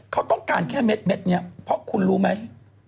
เขาต้องการแค่เม็ดนี้เพราะคุณรู้ไหม